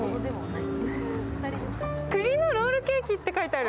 栗のロールケーキって書いてある。